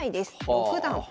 六段。